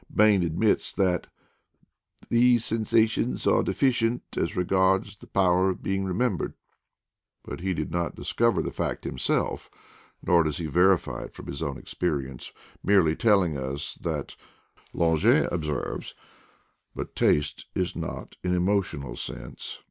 Bain admits that " these sensations are deficient as regards the power of being remem bered"; but he did not discover the fact himself, nor does he verify it from his own experience, PERFUME OF AN EVENING PRIMROSE 243 merely telling us that "Longet observes." But taste is not an emotional sense.